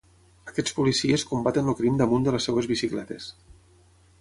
Aquests policies combaten el crim damunt de les seues bicicletes.